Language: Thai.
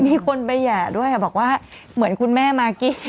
มีคนไปแห่ด้วยบอกว่าเหมือนคุณแม่มากกี้